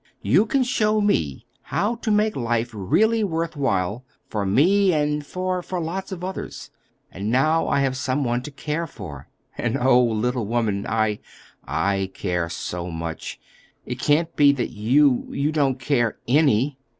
You can show me how to make life really worth while, for me, and for—for lots of others. And now I have some one to care for. And, oh, little woman, I—I care so much, it can't be that you—you don't care—any!"